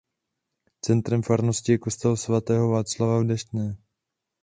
Centrem farnosti je kostel svatého Václava v Deštné.